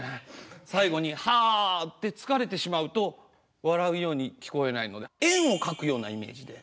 最後に「はー」って疲れてしまうと笑うように聞こえないので円を描くようなイメージで。